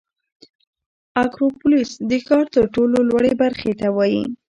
اکروپولیس د ښار تر ټولو لوړې برخې ته وایي.